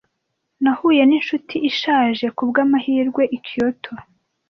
Nahuye ninshuti ishaje kubwamahirwe i Kyoto.